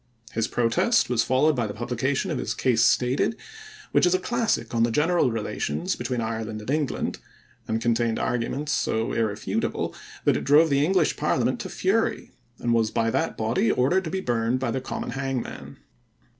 His protest was followed by the publication of his Case Stated, which is a classic on the general relations between Ireland and England, and contained arguments so irrefutable that it drove the English parliament to fury and was by that body ordered to be burned by the common hangman.